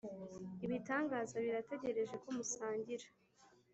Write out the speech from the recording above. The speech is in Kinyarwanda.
ibitangaza birategereje ko musangira.